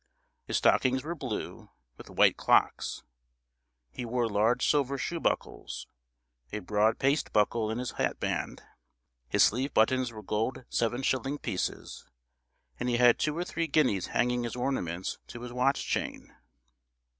His stockings were blue, with white clocks; he wore large silver shoe buckles; a broad paste buckle in his hatband; his sleeve buttons were gold seven shilling pieces; and he had two or three guineas hanging as ornaments to his watch chain.